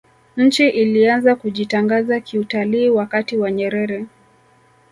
nchi ilianza kujitangaza kiutalii wakati wa nyerere